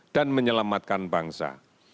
dan menyelamatkan bangsa